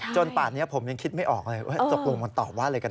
ป่านนี้ผมยังคิดไม่ออกเลยว่าตกลงมันตอบว่าอะไรกัน